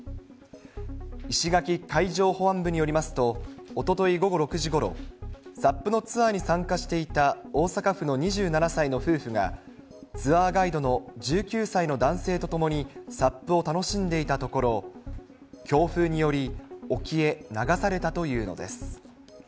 石垣海上保安部によりますと、おととい午後６時ごろ、サップのツアーに参加していた大阪府の２７歳の夫婦が、ツアーガイドの１９歳の男性と共にサップを楽しんでいたところ、強風により沖へ流されたというのです。